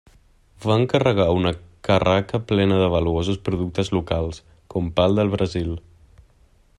Van carregar una carraca plena de valuosos productes locals, com pal del Brasil.